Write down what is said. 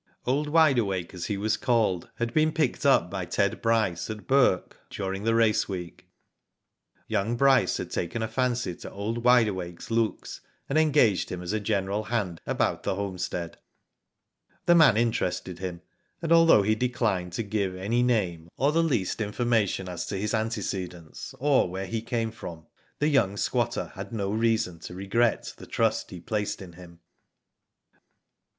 Old Wide Awake, as he was called, had been picked up by Ted Bryce at Bourke during the race week. Young Bryce had taken a fancy to old Wide Awake's looks and engaged him as a general hand about the homestead. The man interested him, and although he de clined to give any name, or the least information asi to his antecedents, or where he came from, the young squatter had no reason to regret the trust he placed in him.